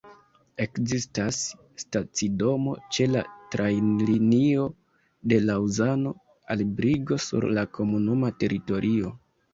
Ekzistas stacidomo ĉe la trajnlinio de Laŭzano al Brigo sur la komunuma teritorio.